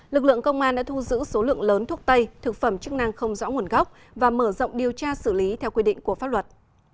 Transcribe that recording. lực lượng công an đã thu giữ số lượng lớn thuốc tây thực phẩm chức năng không rõ nguồn gốc và mở rộng điều tra xử lý theo quy định của pháp luật